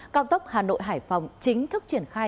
cao tốc hà nội hải phòng chính thức triển khai